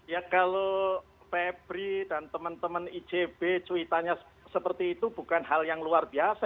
ya kalau febri dan teman teman ijb cuitannya seperti itu bukan hal yang luar biasa